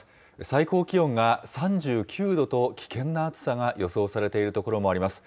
最高気温が３９度と、危険な暑さが予想されている所もあります。